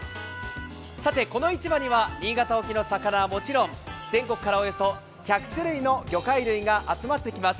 さて、この市場には新潟沖の魚はもちろん全国からおよそ１００種類の魚介類が集まってきます。